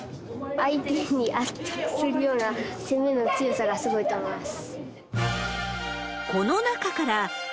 相手を圧倒するような攻めの強さがすごいと思います。